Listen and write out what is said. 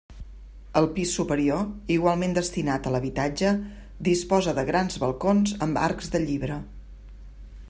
El pis superior, igualment destinat a l'habitatge, disposa de grans balcons amb arcs de llibre.